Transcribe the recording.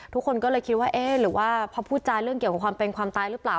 ทุกคนก็เลยคิดว่าเอ๊ะหรือว่าพอพูดจาเรื่องเกี่ยวกับความเป็นความตายหรือเปล่า